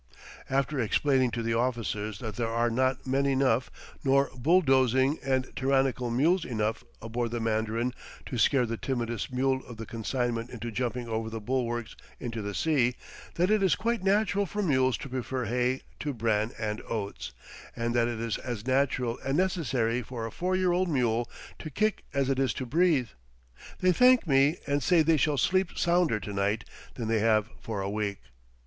After explaining to the officers that there are not men enough, nor bulldozing and tyrannical mules enough, aboard the Mandarin to scare the timidest mule of the consignment into jumping over the bulwarks into the sea; that it is quite natural for mules to prefer hay to bran and oats, and that it is as natural and necessary for a four year old mule to kick as it is to breathe, they thank me and say they shall sleep sounder tonight than they have for a week.